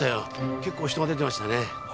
結構人が出てましたね。